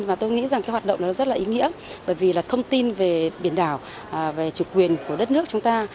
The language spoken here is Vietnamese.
và tôi nghĩ rằng hoạt động đó rất là ý nghĩa bởi vì thông tin về biển đảo về chủ quyền của đất nước chúng ta